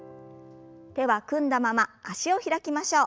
手は組んだまま脚を開きましょう。